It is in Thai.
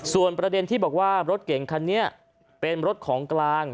ส่วนประเด็นที่บอกว่ารถเก่งคันนี้เป็นรถของกลาง